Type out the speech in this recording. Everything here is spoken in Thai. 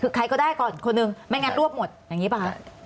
คือใครก็ได้ก่อนคนหนึ่งไม่งั้นรวบหมดอย่างนี้ป่ะคะ